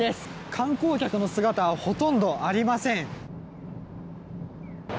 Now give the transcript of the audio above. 観光客の姿はほとんどありません。